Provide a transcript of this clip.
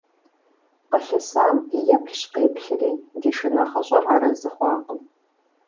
Къылъысам еплъщ-къеплъри, ди шынэхъыщӀэр арэзы хъуакъым.